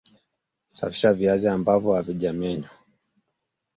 Safisha viazi ambavyo havijamenywa